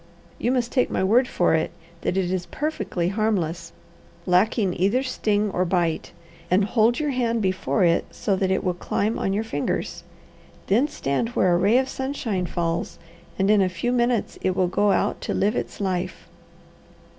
"You must take my word for it, that it is perfectly harmless, lacking either sting or bite, and hold your hand before it, so that it will climb on your fingers. Then stand where a ray of sunshine falls and in a few minutes it will go out to live its life."